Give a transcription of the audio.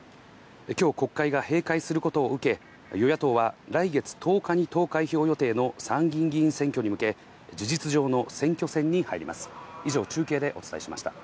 今日、国会が閉会することを受け、与野党は来月１０日に投開票予定の参議院選挙に向け、事実上の選挙戦に入ります。